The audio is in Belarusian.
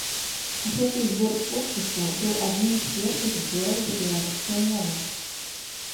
Гэты збор подпісаў быў адным з першых збораў за беларускую мову.